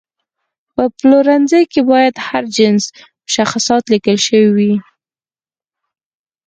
په پلورنځي کې باید د هر جنس مشخصات لیکل شوي وي.